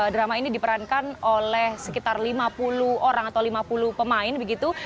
drama ini diperankan oleh sekitar lima puluh orang atau lima puluh pemain begitu